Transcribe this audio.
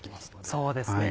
そうですね